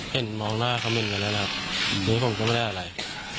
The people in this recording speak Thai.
เห็นมองหน้าเขามึงกันแหละแล้วครับทีนี้ผมก็ไม่ได้อะไร